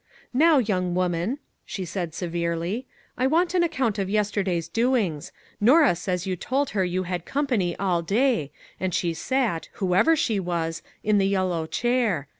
" Now, young woman," she said severely, " I want an account of yesterday's doings ; Norah says you told her you had company all day, and she sat, whoever she was, in the yel 51 MAG AND MARGARET low chair.